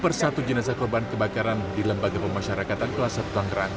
satu persatu jenazah korban kebakaran di lembaga pemasyarakatan kelas sabtuangkran